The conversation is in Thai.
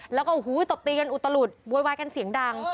แล้วก็โอ้โหตบตีกันอุตลุดโวยวายกันเสียงดัง